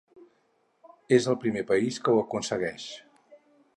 És el primer país que ho aconsegueix.